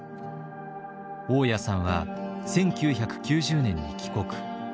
雄谷さんは１９９０年に帰国。